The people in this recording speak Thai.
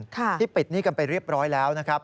ที่ปิดหนี้กันไปเรียบร้อยแล้ว